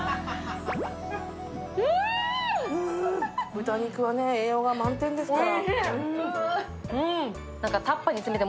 豚肉は栄養満点ですから。